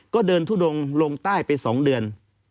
ก็เดินทุดงลงใต้ไป๒เดือน